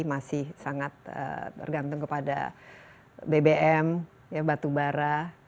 masih sangat tergantung kepada bbm batu barang